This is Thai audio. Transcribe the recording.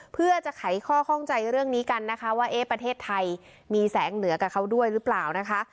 เพื่อจะไขข้อข้องใจเรื่องนี้กันนะคะว่าเอ๊ะประเทศไทยมีแสงเหนือกับเขาด้วยหรือเปล่านะคะ